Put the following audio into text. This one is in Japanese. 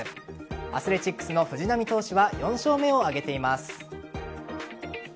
アスレチックスの藤浪投手は４勝目を挙げています。